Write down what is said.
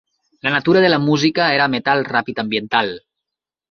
La natura de la música era metal ràpid ambiental.